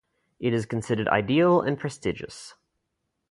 It is considered ideal and prestigious.